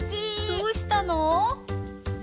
どうしたの？